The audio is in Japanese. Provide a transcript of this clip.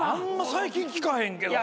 最近聞かへんけどな。